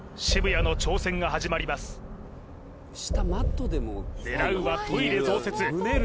渋谷の挑戦が始まります狙うはトイレ増設